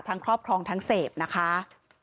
ครอบครองทั้งเสพนะคะ